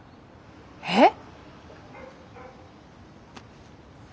えっ？